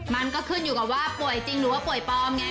มันก็ขึ้นอยู่กับว่าป่วยจริงหรือว่าป่วยปลอมไง